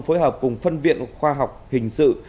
phối hợp cùng phân viện khoa học hình sự